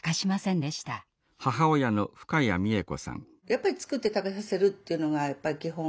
やっぱり作って食べさせるっていうのが基本。